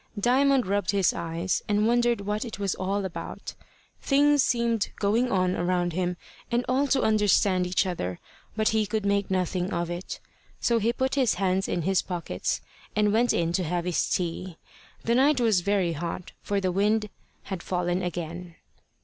Diamond rubbed his eyes, and wondered what it was all about. Things seemed going on around him, and all to understand each other, but he could make nothing of it. So he put his hands in his pockets, and went in to have his tea. The night was very hot, for the wind had fallen again.